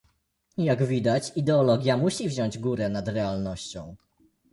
Jak widać ideologia musi wziąć górę nad realnością